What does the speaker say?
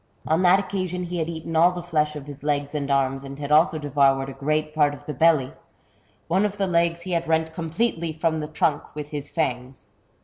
On that occasion he had eaten all the flesh off his legs and arms, and had also devoured a great part of the belly ; one of the legs he had rent completely from the trunk with his fangs.